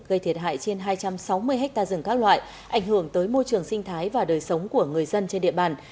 gây thiệt hại trên hai trăm sáu mươi ha rừng các loại ảnh hưởng tới môi trường sinh thái và đời sống của người dân trên địa bàn